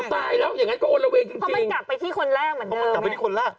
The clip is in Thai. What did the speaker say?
ของคนแรก